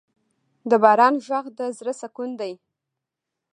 د باران ږغ د زړه سکون دی.